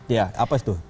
ya apa itu